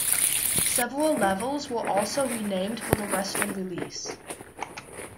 Several levels were also renamed for the Western release.